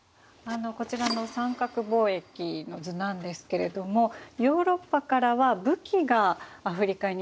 こちらの三角貿易の図なんですけれどもヨーロッパからは武器がアフリカに運ばれてますよね。